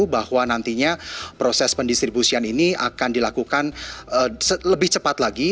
bahwa nantinya proses pendistribusian ini akan dilakukan lebih cepat lagi